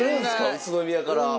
宇都宮から。